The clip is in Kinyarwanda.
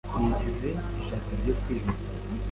Ntiteze ijabiro ryo kwima